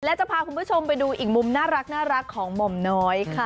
และจะพาคุณผู้ชมไปดูอีกมุมน่ารักของหม่อมน้อยค่ะ